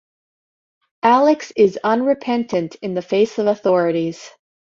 Alex is unrepentant in the face of authorities.